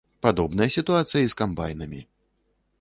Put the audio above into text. Падобная сітуацыя і з камбайнамі.